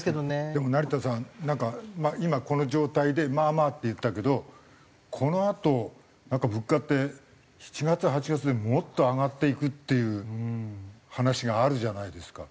でも成田さん今この状態でまあまあって言ったけどこのあとなんか物価って７月８月でもっと上がっていくっていう話があるじゃないですか。